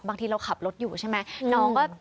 บางทีเราขับรถอยู่ใช่ไหมน้องก็